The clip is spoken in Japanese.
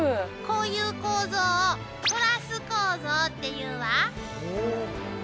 こういう構造を「トラス構造」って言うわ。